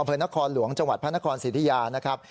อเผินนครหลวงจพศิริยานะครับ